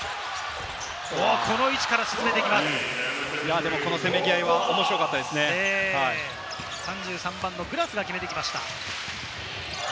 この位置から沈めていきこのせめぎ合いは面白３３番のグラスが決めてきました。